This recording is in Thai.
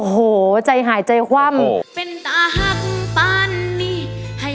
โอ้โฮใจหายใจคว่ำ